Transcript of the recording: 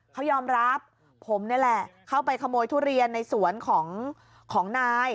เขายอมรับผมนี่แหละเข้าไปขโมยทุเรียนในสวนของนาย